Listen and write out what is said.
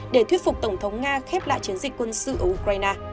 để thuyết phục tổng thống nga khép lại chiến dịch quân sự ở ukraine